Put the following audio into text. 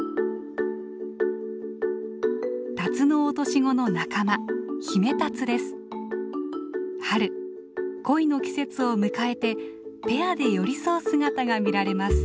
タツノオトシゴの仲間春恋の季節を迎えてペアで寄り添う姿が見られます。